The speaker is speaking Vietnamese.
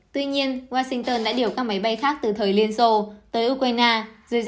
tuy nhiên washington đã điều các máy bay khác từ thời liên xô tới ukraine dưới dạng năm máy bay trực thăng mi một mươi bảy